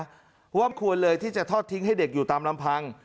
เพราะว่าควรเลยที่จะทอดทิ้งให้เด็กอยู่ตามลำพัง